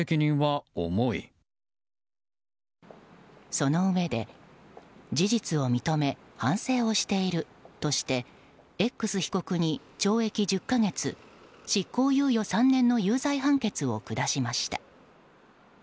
そのうえで、事実を認め反省をしているとしてＸ被告に懲役１０か月、執行猶予３年の有罪判決を下しました。